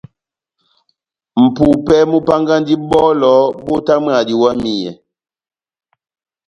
Mʼpupɛ múpángandi bɔlɔ bótamwaha diwamiyɛ.